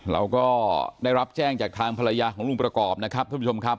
เราก็ได้รับแจ้งจากทางภรรยาของลุงประกอบนะครับท่านผู้ชมครับ